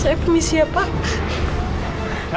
saya permisi ya pak